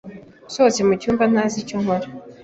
Nsohotse mu cyumba ntazi icyo nkora.